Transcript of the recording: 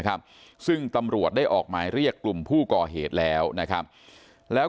ครับซึ่งตำรวจได้ออกหมายเรียกกลุ่มผู้ก่อเหตุแล้วนะครับแล้ว